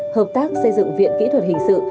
hợp tác xây dựng viện kỹ thuật hình sự